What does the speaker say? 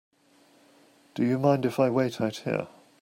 Do you mind if I wait out here?